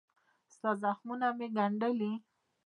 ستا زخمونه مې ګنډلي